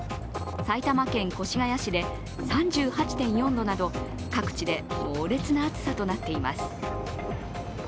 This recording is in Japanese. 埼玉県越谷市で３８．４度など各地で猛烈な暑さとなっています。